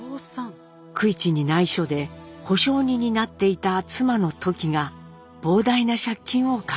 九一にないしょで保証人になっていた妻のトキが膨大な借金を抱えたのです。